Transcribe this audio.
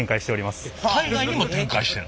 海外にも展開してる？